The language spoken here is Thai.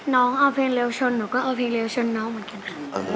น้องเอาเพลงเร็วชนหนูก็เอาเพลงเร็วชนน้องเหมือนกันค่ะ